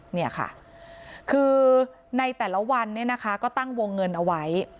เนี่ยค่ะคือในแต่ละวันเนี่ยนะคะก็ตั้งวงเงินเอาไว้